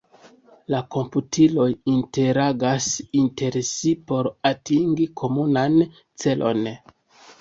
La komputiloj interagas inter si por atingi komunan celon.